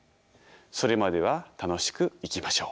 それまでは楽しく生きましょう。